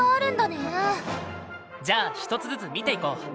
じゃあ１つずつ見ていこう。